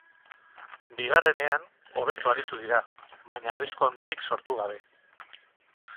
Bigarrenean, hobeto aritu dira, baina arrisku handirik sortu gabe.